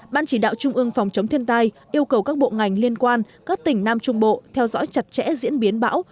ban chỉ đạo trung ương phòng chống thiên tai yêu cầu các bộ ngành liên quan các tỉnh nam trung bộ theo dõi chặt chẽ diễn biến bão